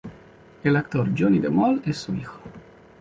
El actor Johnny de Mol es su hijo.